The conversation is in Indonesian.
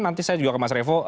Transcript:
nanti saya juga ke mas revo